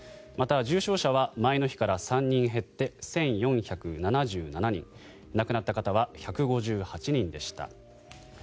また、重症者は前の日から３人減って１４７７人亡くなった方は１５８人でした。